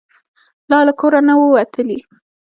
لا له کوره نه وو وتلي.